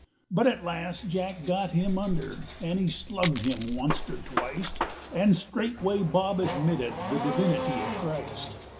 But at last Jack got him under And he slugged him onct or twict, And straightway Bob admitted The divinity of Christ.